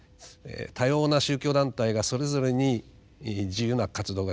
多様な宗教団体がそれぞれに自由な活動ができる。